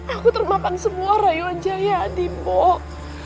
aku termakan semua rayuan jaya adi mbok